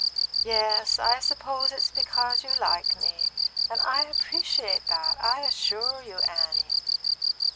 "Yes, I suppose it's because you like me; and I appreciate that, I assure you, Annie."